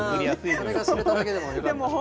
それが知れただけでもよかった。